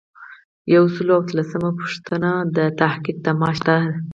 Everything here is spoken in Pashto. یو سل او اتلسمه پوښتنه د تحقیق د معاش ده.